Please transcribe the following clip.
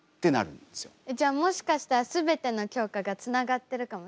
じゃあもしかしたら全ての教科がつながってるかもしれない？